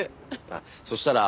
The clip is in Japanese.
あっそしたら。